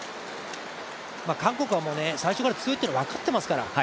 韓国は最初から強いというのは分かってますから。